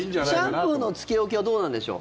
シャンプーのつけ置きはどうなんでしょう。